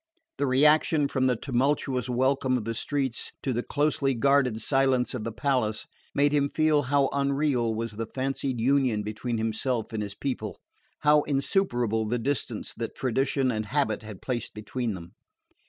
The reaction from the tumultuous welcome of the streets to the closely guarded silence of the palace made him feel how unreal was the fancied union between himself and his people, how insuperable the distance that tradition and habit had placed between them.